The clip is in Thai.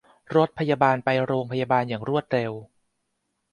รถพยาบาลไปโรงพยาบาลอย่างรวดเร็ว